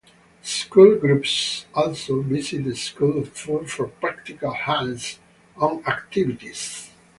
School groups also visit the School of Food for practical hands-on activities.